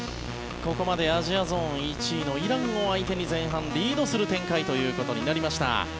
ここまでアジアゾーン１位のイランを相手に前半、リードする展開ということになりました。